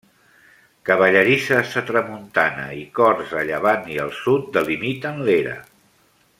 Cavallerisses a tramuntana i corts a llevant i al sud delimiten l'era.